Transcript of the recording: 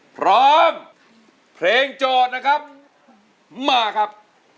พร้อมเพลงโจทย์นะครับมาครับ